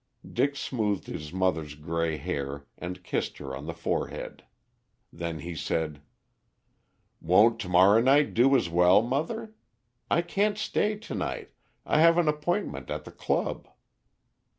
Dick smoothed his mother's grey hair and kissed her on the forehead. Then he said: "Won't to morrow night do as well, mother? I can't stay to night. I have an appointment at the club."